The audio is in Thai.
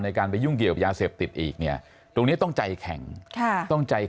ในการไปยุ่งเกี่ยวกับยาเสพติดอีกตรงนี้ต้องใจแข็ง